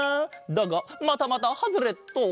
だがまたまたハズレット！